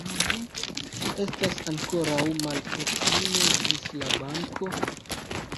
Ĉu estas ankoraŭ malproksime ĝis la banko?